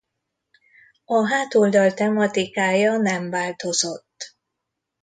A hátoldal tematikája nem változott.